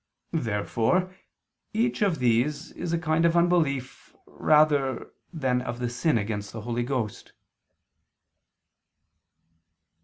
Therefore each of these is a kind of unbelief rather than of the sin against the Holy Ghost.